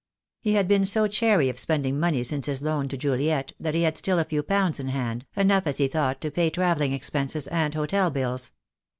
He had been so chary of spending money since his loan to Juliet that he had still a few pounds in hand, enough as he thought to pay travelling expenses and hotel bills.